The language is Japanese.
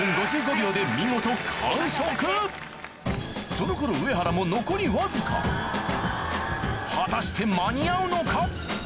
その頃上原も残りわずか果たして間に合うのか？